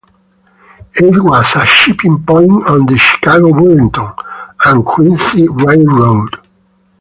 It was a shipping point on the Chicago, Burlington and Quincy Railroad.